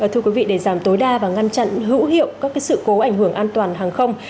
thưa quý vị để giảm tối đa và ngăn chặn hữu hiệu các sự cố ảnh hưởng an toàn hàng không